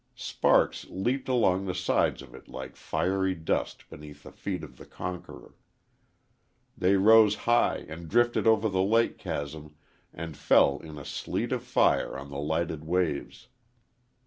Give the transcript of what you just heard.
Sparks leaped along the sides of it like fiery dust beneath the feet of the conqueror. They rose high and drifted over the lake chasm and fell in a sleet of fire on the lighted waves.